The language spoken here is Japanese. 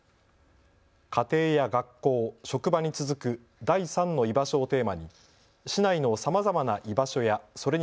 家庭や学校、職場に続く第３の居場所をテーマに市内のさまざまな居場所やそれに